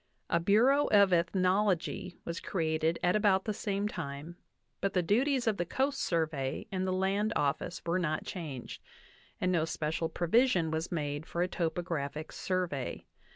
A Bureau of Eth nology was created at about the same time, but the duties of the Coast Survey and the Land Office were not changed, and no special provision was made for a topographic survey.